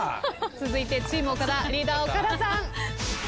続いてチーム岡田リーダー岡田さん。